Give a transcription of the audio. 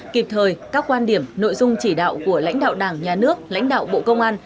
kịp thời các quan điểm nội dung chỉ đạo của lãnh đạo đảng nhà nước lãnh đạo bộ công an